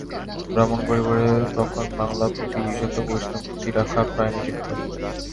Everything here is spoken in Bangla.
ব্রাহ্মণ পরিবারে তখন বাংলা পুঁথি বিশেষত বৈষ্ণব পুঁথি রাখা প্রায় নিষিদ্ধ।